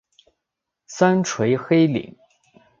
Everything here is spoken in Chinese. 三陲黑岭。